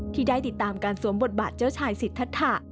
ที่ได้ติดตามการสวมบทบาทเจ้าชายสิทธะ